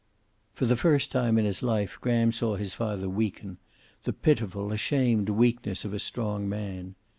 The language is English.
For the first time in his life Graham saw his father weaken, the pitiful, ashamed weakness of a strong man.